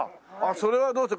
それはどうして。